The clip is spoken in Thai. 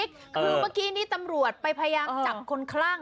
คือเมื่อกี้นี้ตำรวจไปพยายามจับคนคลั่ง